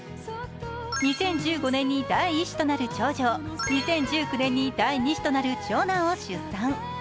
２０１５年に第１子となる長女を、２０１９年に第２子となる長男を出産。